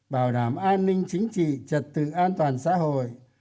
bảo đảm an ninh chính trị trật tự an toàn xã hội